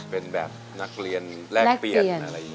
เป็นแบบนักเรียนแลกเปลี่ยนอะไรอย่างนี้